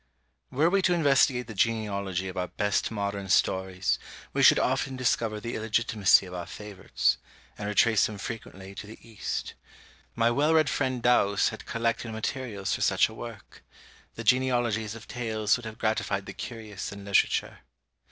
Were we to investigate the genealogy of our best modern stories, we should often discover the illegitimacy of our favourites; and retrace them frequently to the East. My well read friend Douce had collected materials for such a work. The genealogies of tales would have gratified the curious in literature.